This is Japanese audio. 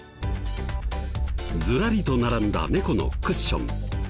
ずらりと並んだ猫のクッション。